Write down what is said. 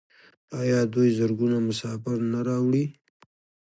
آیا دوی زرګونه مسافر نه راوړي؟